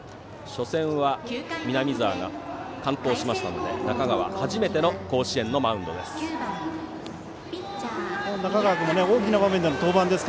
初戦は南澤が完投したので中川、初めての甲子園のマウンドです。